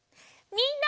みんな。